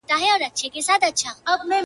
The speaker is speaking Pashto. نه سور وي په محفل کي نه مطرب نه به غزل وي!.